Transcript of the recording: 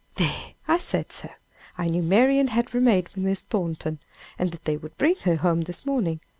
"There! I said so! I knew Marian had remained with Miss Thornton, and that they would bring her home this morning.